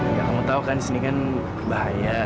ya kamu tau kan disini kan bahaya